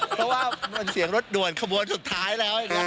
เพราะว่ามันเสียงรถด่วนขบวนสุดท้ายแล้ว